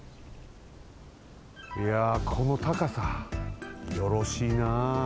いやこのたかさよろしいな。